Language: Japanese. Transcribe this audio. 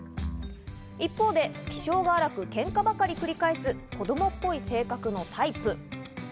一方で気性が荒く、喧嘩ばかり繰り返す、子供っぽい性格のタイプ。